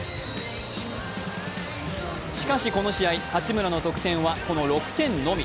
しかしこの試合、八村の得点はこの６点のみ。